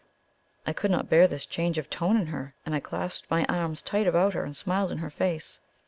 I could not bear this change of tone in her, and I clasped my arms tight about her and smiled in her face.